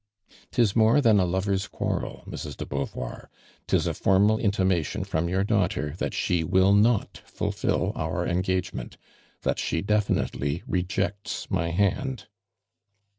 " 'Tis more than a lover's (|uarrel, Mrx, <lo Beauvoir, 'tis a formal intimation from your daughter that she will not fuUil om engagement — that she ileHmtely rejects my hand."